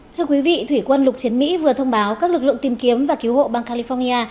thưa quý vị thủy quân lục chiến mỹ vừa thông báo các lực lượng tìm kiếm và cứu hộ bang california